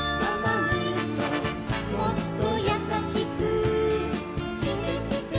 「もっとやさしくしてしてチョ」